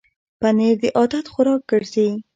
پنېر د عادت خوراک ګرځي.